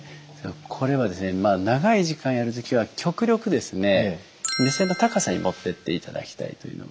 これはですね長い時間やる時は極力ですね目線の高さに持ってっていただきたいというのが。